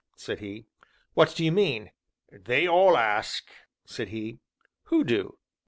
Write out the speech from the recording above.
said he. "What do you mean?" "They all ask!" said he. "Who do?"